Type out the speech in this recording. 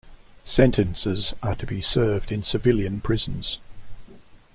Sentences are to be served in civilian prisons.